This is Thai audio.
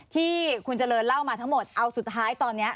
ที่คุณเจริญเล่ามาทั้งหมดเอาสุดท้ายตอนนี้